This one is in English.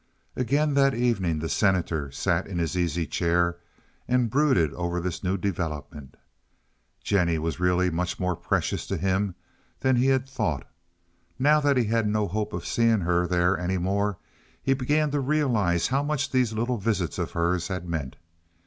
Again that evening the Senator sat in his easy chair and brooded over this new development. Jennie was really much more precious to him than he had thought. Now that he had no hope of seeing her there any more, he began to realize how much these little visits of hers had meant.